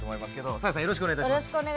サーヤさんよろしくお願いいたします。